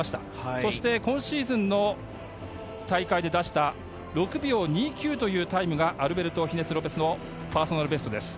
そして今シーズンの大会で出した６秒２９というタイムがアルベルト・ヒネス・ロペスのパーソナルベストです。